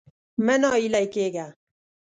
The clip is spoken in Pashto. مه ناهيلی کېږه.